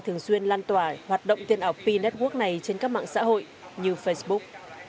thường xuyên lan tỏa hoạt động tiền ảo p network này trên các mạng xã hội như facebook